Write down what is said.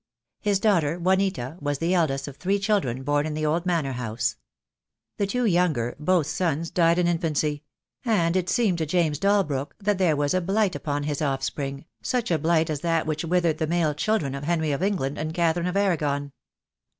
His daughter, Juanita, was the eldest of three children born in the old manor house. The two younger, both sons, died in infancy; and it seemed to James Dalbrook that there was a blight upon his offspring, such a blight as that which withered the male children of Henry of England and Catherine of Arragon.